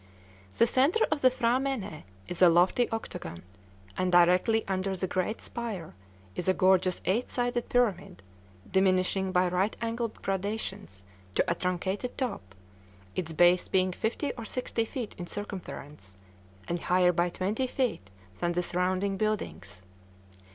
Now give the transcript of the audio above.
The centre of the P'hra mène is a lofty octagon; and directly under the great spire is a gorgeous eight sided pyramid, diminishing by right angled gradations to a truncated top, its base being fifty or sixty feet in circumference, and higher by twenty feet than the surrounding buildings.